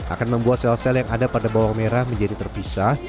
akan membuat sel sel yang ada pada bawang merah menjadi terpisah